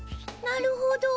なるほど。